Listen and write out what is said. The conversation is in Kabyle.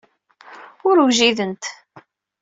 Ur wjident.